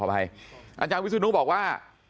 อาจารย์วิทยานุ้คบอกว่า